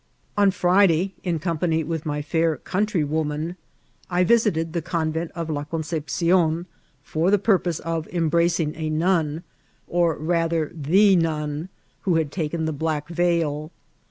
On Friday, in company with my &ir countrywoman, I visited the convent of La Conc^cion for the pur^ pose of embracing a nun, or rather the nun, who had takim the black veil.